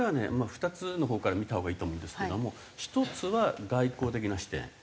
２つのほうから見たほうがいいと思うんですけども１つは外交的な視点。